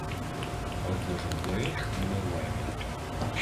Ordino ženklai numeruojami.